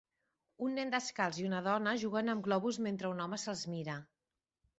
Un nen descalç i una dona juguen amb globus mentre un home se'ls mira.